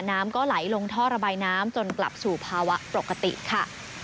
น้ำก็ไหลลงท่อระบายน้ำจนกลับสู่ภาวะปกติค่ะ